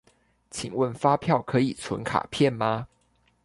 請問發票可以存卡片嗎？